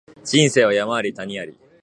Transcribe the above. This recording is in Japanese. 人生は山あり谷あり